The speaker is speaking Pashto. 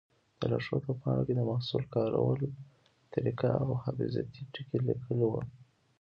د لارښود په پاڼو کې د محصول کارولو طریقه او حفاظتي ټکي لیکلي وي.